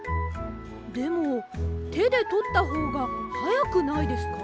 でもてでとったほうがはやくないですか？